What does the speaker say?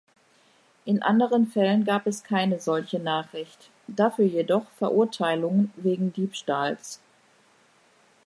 In anderen Fällen gab es keine solche Nachricht, dafür jedoch Verurteilungen wegen Diebstahls.